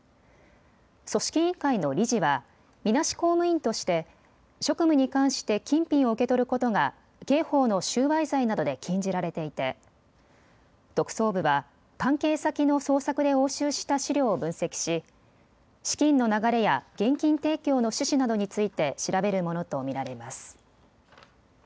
組織委員会の理事はみなし公務員として職務に関して金品を受け取ることが刑法の収賄罪などで禁じられていて特捜部は関係先の捜索で押収した資料を分析し、資金の流れや現金提供の趣旨などについて調べるものと見られます。